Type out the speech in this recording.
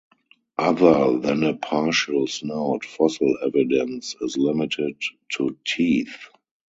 Other than a partial snout, fossil evidence is limited to teeth.